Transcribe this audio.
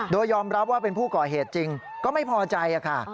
โดยยอมรับว่าเป็นผู้ก่อเหตุจริงก็ไม่พอใจค่ะ